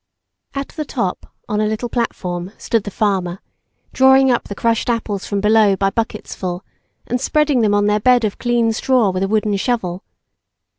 At the top, on a little platform, stood the farmer, drawing up the crushed apples from below by bucketsful, and spreading them on their bed of clean straw with a wooden shovel.